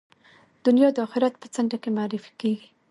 دنیا د آخرت په څنډه کې معرفي کېږي.